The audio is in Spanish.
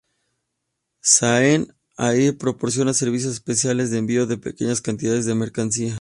Shaheen Air proporciona servicios especiales de envío de pequeñas cantidades de mercancía.